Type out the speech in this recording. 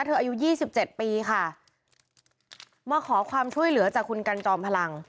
อายุยี่สิบเจ็ดปีค่ะมาขอความช่วยเหลือจากคุณกันจอมพลัง